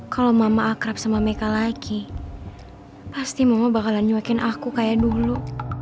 kalau mama akrab sama meka lagi pasti mama bakalan nyuapin aku kayak dulu